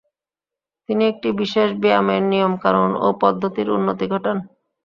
তিনি একটি বিশেষ ব্যায়ামের নিয়ম কানুন ও পদ্ধতির উন্নতি ঘটান।